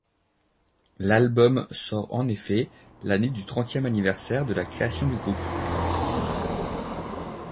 L'album sort en effet l'année du trentième anniversaire de la création du groupe.